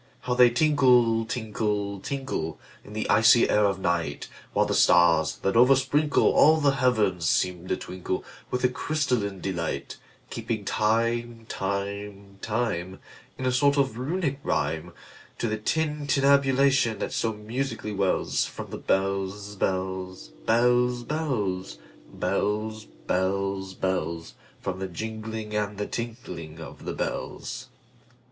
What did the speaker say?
How they tinkle, tinkle, tinkle, In the icy air of night! While the stars, that oversprinkleAll the heavens, seem to twinkleWith a crystalline delight; Keeping time, time, time, In a sort of Runic rhyme, To the tintinnabulation that so musically wellsFrom the bells, bells, bells, bells, Bells, bells, bells—From the jingling and the tinkling of the bells.